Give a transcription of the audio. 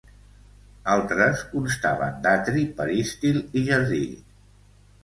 Altres constaven d'atri, peristil i jardí.